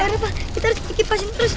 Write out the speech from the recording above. eh rafa kita harus kipas ini terus